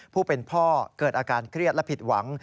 ผู้เป็นพ่อเกิดอาการเครียดและผิดหวัง